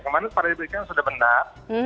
kemarin paradigma sudah benar